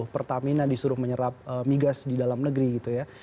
pertamina disuruh menyerap migas di dalam negeri gitu ya